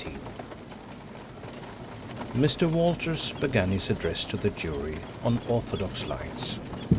CHAPTER XIX Mr. Walters began his address to the jury on orthodox lines.